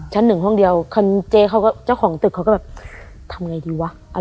ชั้น๑ห้องเดียวเจ้าของตึกเขาก็แบบทำไงดีวะ